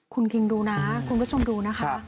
คุณคิงดูนะคุณผู้ชมดูนะคะ